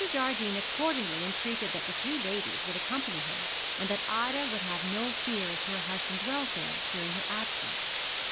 Jardine accordingly entreated that the three ladies would accompany him, and that Ida would have no fear as to her husband's welfare during her absence.